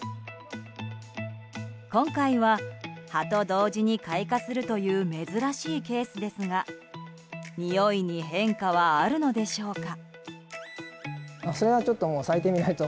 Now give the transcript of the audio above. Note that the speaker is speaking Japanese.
今回は葉と同時に開花するという珍しいケースですがにおいに変化はあるのでしょうか。